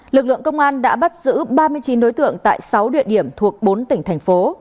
lực lượng công an đã bắt giữ ba mươi chín đối tượng tại sáu địa điểm thuộc bốn tỉnh thành phố